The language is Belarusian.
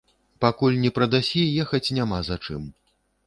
Пакуль не прадасі, ехаць няма за чым.